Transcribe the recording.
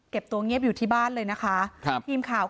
เก็บตัวเงียบอยู่ที่บ้านเลยนะคะ